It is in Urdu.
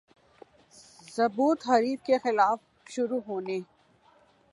ضبوط حریف کے خلاف شروع ہونے